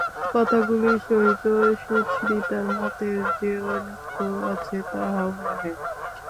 কথাগুলির সহিত সুচরিতার মতের যে অনৈক্য আছে তাহাও নহে।